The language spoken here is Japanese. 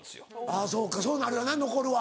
あぁそうかそうなるよな残るは。